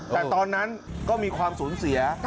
แต่ตอนนั้นก็มีความสูญเสีย